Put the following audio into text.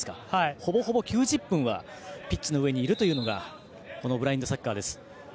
ほぼほぼ９０分はピッチの上にいるというのがこのブラインドサッカーです。